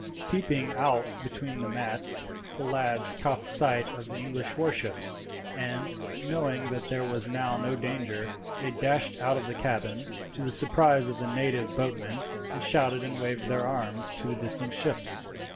Peeping out between the mats, the lads caught sight of the English warships, and, knowing that there was now no danger, they dashed out of the cabin, to the surprise of the native boatmen, and shouted and waved their arms to the distant ships.